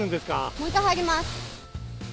もう一回入ります。